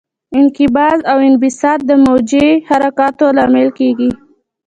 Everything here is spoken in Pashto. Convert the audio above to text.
انقباض او انبساط د موجي حرکاتو لامل کېږي.